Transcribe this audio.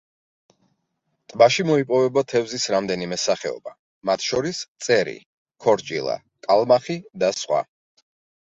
ტბაში მოიპოვება თევზის რამდენიმე სახეობა, მათ შორის: წერი, ქორჭილა, კალმახი და სხვა.